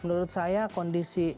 menurut saya kondisi